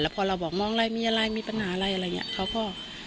พอเราบอกมองอะไรมีอะไรมีปัญหาอะไรอะไรอย่างนี้เขาก็